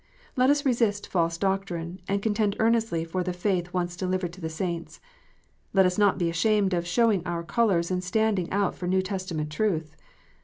Let us resist false doctrine, and contend earnestly for the faith once delivered to the saints. Let us not be ashamed of showing our colours and standing out for New Testament truth.